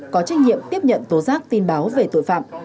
có trách nhiệm tiếp nhận tố giác tin báo về tội phạm